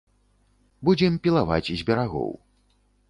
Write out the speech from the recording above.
Будзем пілаваць з берагоў.